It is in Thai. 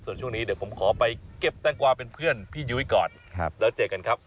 ส่วนช่วงนี้เดี๋ยวผมขอไปเก็บแตงกวาเป็นเพื่อนพี่ยุ้ยก่อนแล้วเจอกันครับ